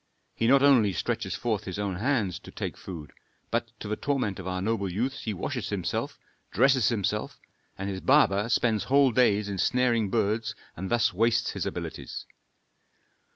He not only stretches forth his own hands to take food, but, to the torment of our noble youths, he washes himself, dresses himself, and his barber spends whole days in snaring birds and thus wastes his abilities.